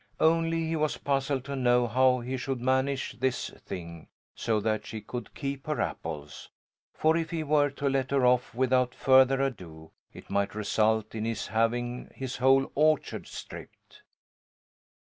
Only he was puzzled to know how he should manage this thing so that she could keep her apples; for if he were to let her off without further ado, it might result in his having his whole orchard stripped.